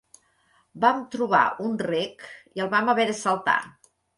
Vam trobar un rec i el vam haver de saltar.